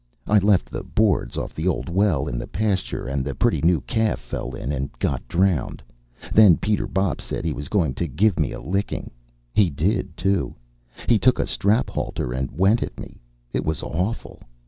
I left the boards off the old well in the pasture, and the pretty new calf fell in and got drowned. Then Peter Bopp said he was going to give me a licking. He did, too. He took a strap halter and went at me. It was awful.